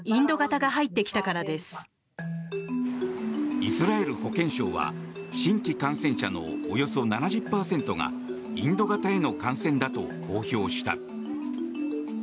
イスラエル保健省は新規感染者のおよそ７０％がインド型への感染だと公表した。